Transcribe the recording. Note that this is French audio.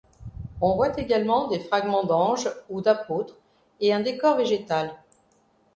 On voit également des fragments d'anges ou d'apôtres et un décor végétal.